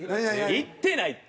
行ってないって！